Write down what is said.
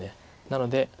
なので。